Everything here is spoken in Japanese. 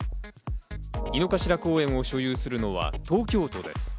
井の頭公園を所有するのは東京都です。